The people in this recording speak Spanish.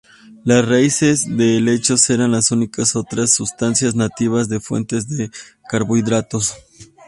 Las raíces de helechos eran las únicas otras sustancias nativas de fuentes de carbohidratos.